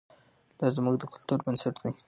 دا زموږ د کلتور بنسټ دی.